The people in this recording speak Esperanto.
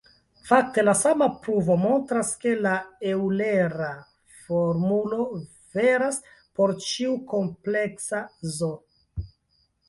Fakte, la sama pruvo montras ke la eŭlera formulo veras por ĉiu kompleksa "z".